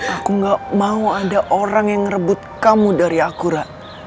aku gak mau ada orang yang ngerebut kamu dari aku ra